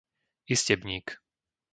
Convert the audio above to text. Istebník